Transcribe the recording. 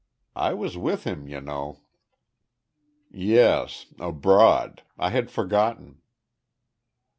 I was with him, you know." "Yes abroad. I had forgotten."